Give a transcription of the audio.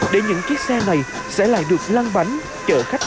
để những chiếc xe này sẽ lại được lăn bánh